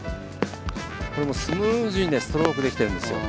スムーズにストロークできてるんですよ。